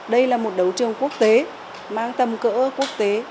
đây là một đấu trường quốc tế mang tầm cỡ quốc tế